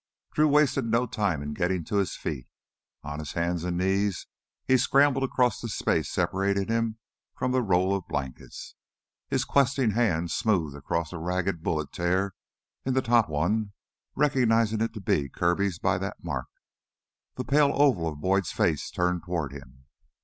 Drew wasted no time in getting to his feet. On his hands and knees, he scrambled across the space separating him from the roll of blankets. His questing hand smoothed across a ragged bullet tear in the top one, recognizing it to be Kirby's by that mark. The pale oval of Boyd's face turned toward him.